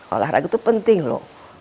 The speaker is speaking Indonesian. olahraga itu penting lho